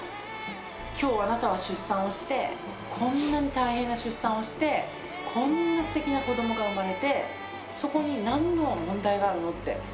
きょう、あなたは出産をして、こんなに大変な出産をして、こんなすてきな子どもが産まれて、そこになんの問題があるのって。